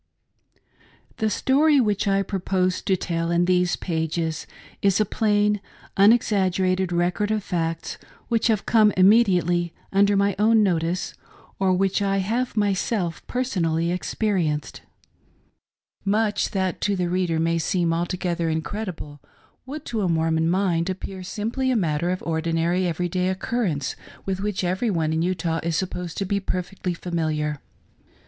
THE story which I propose to tell in these pages is a plain, unexaggerated record of facts which have come immediately under my own notice, or which I have myself personally experienced. Much that to the reader may seem altogether incredible, would to a Mormon mind appear simply a matter of ordinary ^very day occurrence with which everyone in Utah is sup posed to be perfectly familiar.